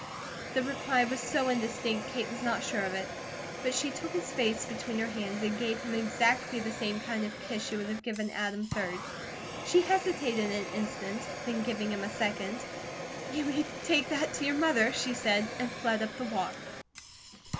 The reply was so indistinct Kate was not sure of it; but she took his face between her hands and gave him exactly the same kind of kiss she would have given Adam, 3d. She hesitated an instant, then gave him a second. "You may take that to your mother," she said, and fled up the walk.